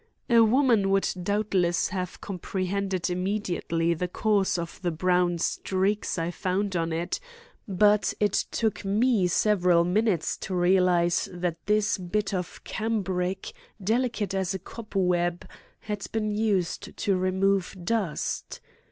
A woman would doubtless have comprehended immediately the cause of the brown streaks I found on it, but it took me several minutes to realize that this bit of cambric, delicate as a cobweb, had been used to remove dust.